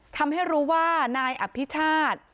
ทำให้รู้ว่านายอภิชาติ